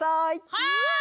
はい！